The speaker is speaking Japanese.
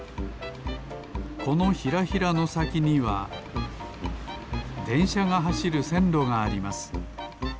このヒラヒラのさきにはでんしゃがはしるせんろがあります